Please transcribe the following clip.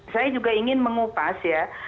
saya juga ingin mengupas